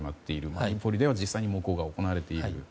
マリウポリでは実際に猛攻が行われている。